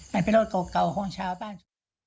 มันเป็นรถเก่าของชาวบ้าน